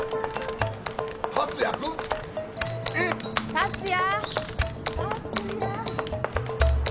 達也ー達也！